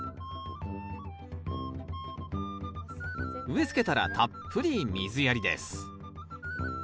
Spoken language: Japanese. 植えつけたらたっぷり水やりです。